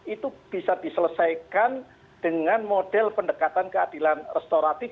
itu bisa diselesaikan dengan model pendekatan keadilan restoratif